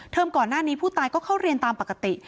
ก่อนหน้านี้ผู้ตายก็เข้าเรียนตามปกติ